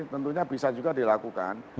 tentunya bisa juga dilakukan